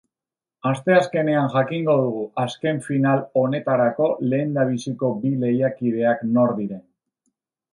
Asteazkenean jakingo dugu azken final honetarako lehendabiziko bi lehiakideak nor diren.